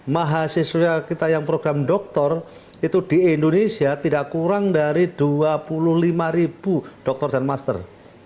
mahasiswa kita yang program dokter itu di indonesia tidak kurang dari dua puluh lima ribu dokter dan master